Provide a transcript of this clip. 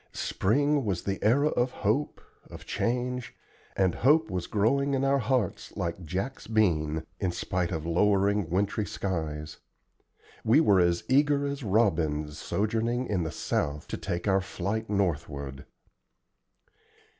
Spring was the era of hope, of change, and hope was growing in our hearts like "Jack's bean," in spite of lowering wintry skies. We were as eager as robins, sojourning in the south, to take our flight northward.